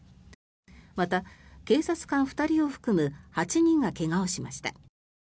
また、警察官２人を含む８人が怪我をしました。